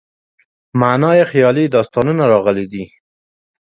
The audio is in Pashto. معنا یې خیالي داستانونه راغلې ده.